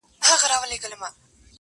• نن سبا چي څوک د ژوند پر لار ځي پلي -